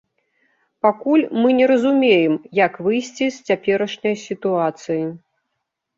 Пакуль мы не разумеем, як выйсці з цяперашняй сітуацыі.